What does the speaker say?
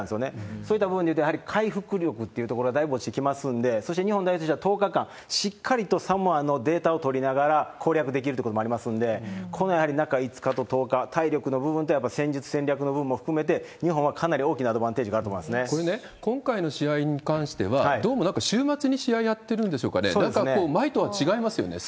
そういった部分でいうと、やはり回復力というところがだいぶ落ちてきますんで、そして日本代表としては１０日間、しっかりとサモアのデータを取りながら攻略できるところもありますんで、この中５日と１０日、体力の部分と、あと戦術、戦略の部分も含めて、日本はかなり大きなアドバンテージがあるとこれね、今回の試合に関しては、どうもなんか週末に試合やってるんでしょうかね、なんか前とは違そうですね。